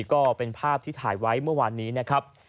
ก็เป็นภาพที่ถ่ายไว้เมื่อวานนี้นะครับ